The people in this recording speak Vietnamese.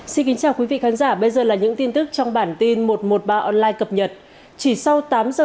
xin kính chào quý vị khán giả bây giờ là những tin tức trong bản tin một trăm một mươi ba online cập nhật chỉ sau tám h